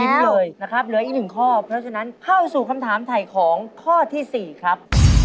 เลยนะครับเหลืออีกหนึ่งข้อเพราะฉะนั้นเข้าสู่คำถามถ่ายของข้อที่๔ครับ